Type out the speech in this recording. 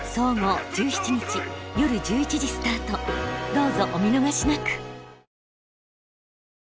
どうぞお見逃しなく！